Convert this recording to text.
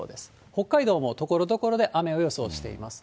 北海道もところどころで雨を予想しています。